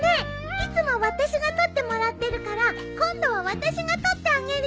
いつも私が撮ってもらってるから今度は私が撮ってあげるよ。